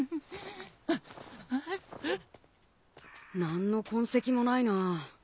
何の痕跡もないな。